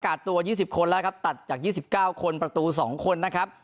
ตัว๒๐คนแล้วครับตัดจาก๒๙คนประตู๒คนนะครับ